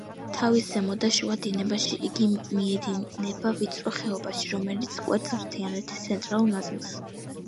თავის ზემო და შუა დინებაში იგი მიედინება ვიწრო ხეობაში, რომელიც კვეთს მთიანეთის ცენტრალურ ნაწილს.